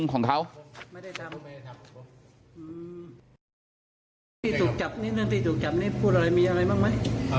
อย่างไรบ้างอ่ะ